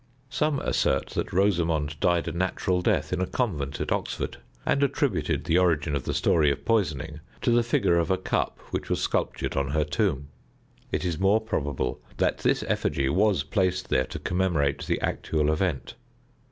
Some assert that Rosamond died a natural death in a convent at Oxford, and attribute the origin of the story of poisoning to the figure of a cup which was sculptured on her tomb. It is more probable that this effigy was placed there to commemorate the actual event.